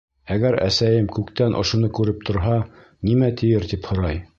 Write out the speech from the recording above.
Әгәр әсәйем күктән ошоно күреп торһа, нимә тиер! — тип һорай.